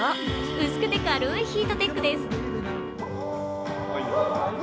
薄くて軽いヒートテックです。